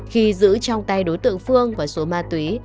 khi giữ trong tay đối tượng phương và số ma túy